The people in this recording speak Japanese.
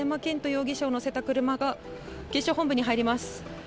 容疑者を乗せた車が警視庁本部に入ります。